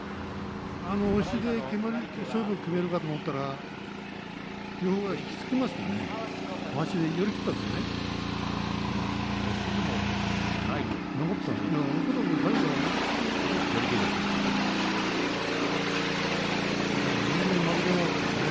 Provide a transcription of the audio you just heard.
あの押しで勝負を決めるかと思ったら引き付けましたね寄り切ったですよね。